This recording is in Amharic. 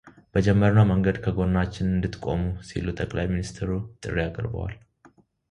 በጀመርነው መንገድ ከጎናችን እንድትቆሙ” ሲሉ ጠቅላይ ሚኒስትሩ ጥሪ አቅርበዋል።